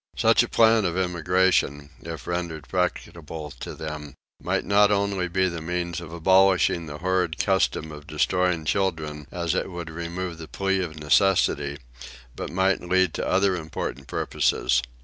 Such a plan of emigration, if rendered practicable to them, might not only be the means of abolishing the horrid custom of destroying children as it would remove the plea of necessity but might lead to other important purposes.